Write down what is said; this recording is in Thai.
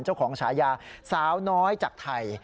เจ้าของชาญาสาวน้อยจากไทย